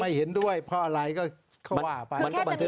ไม่เห็นด้วยเพราะอะไรก็เข้าว่าไป